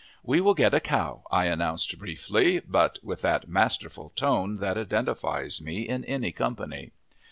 "We will get a cow," I announced briefly, but with that masterful tone that identifies me in any company.